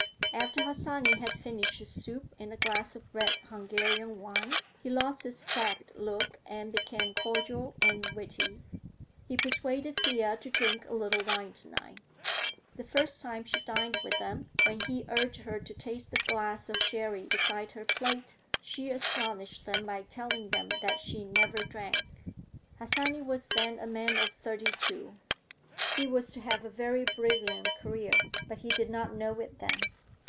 After Harsanyi had finished his soup and a glass of red Hungarian wine, he lost his fagged look and became cordial and witty. He persuaded Thea to drink a little wine to night. The first time she dined with them, when he urged her to taste the glass of sherry beside her plate, she astonished them by telling them that she "never drank." Harsanyi was then a man of thirty two. He was to have a very brilliant career, but he did not know it then.